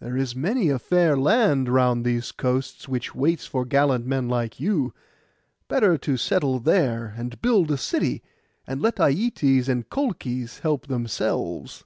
There is many a fair land round these coasts, which waits for gallant men like you. Better to settle there, and build a city, and let Aietes and Colchis help themselves.